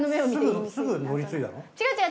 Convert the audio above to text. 何すぐ乗り継いだの？